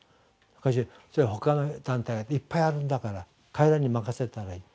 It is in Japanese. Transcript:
しかし他の団体がいっぱいあるんだから彼らに任せたらいい。